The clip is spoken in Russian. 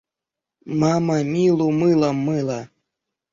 Мама Милу мылом мыла.